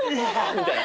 みたいな。